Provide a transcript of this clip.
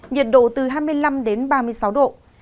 nhiệt độ từ hai mươi năm đến ba mươi sáu độ